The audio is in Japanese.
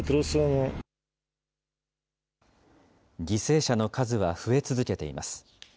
犠牲者の数は増え続けています。